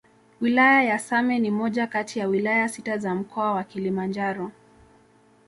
Wilaya ya Same ni moja kati ya Wilaya sita za mkoa wa Kilimanjaro